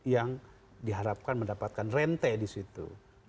yang diharapkan mendapatkan rente disitu